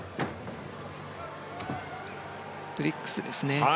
ドリッグスですね。